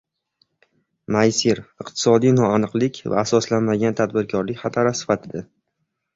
Maysir - iqtisodiy noaniqlik va asoslanmagan tadbirkorlik xatari sifatida